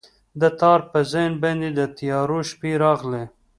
د تار په ذهن باندې، د تیارو شپې راغلي